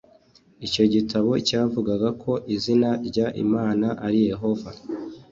icyo gitabo cyavugaga ko izina ry imana ari yehova